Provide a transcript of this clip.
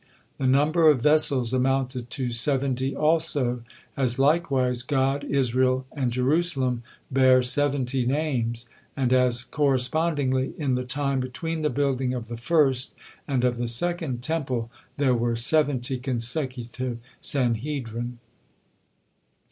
The number of vessels amounted to seventy also; as likewise God, Israel, and Jerusalem bear seventy names; and as, correspondingly, in the time between the building of the first and of the second Temple, there were seventy consecutive Sanhedrin.